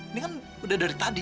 ini kan udah dari tadi